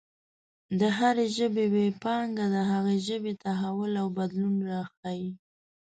د هرې ژبې ویي پانګه د هغې ژبې تحول او بدلون راښايي.